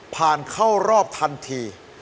เข้ารอบทันที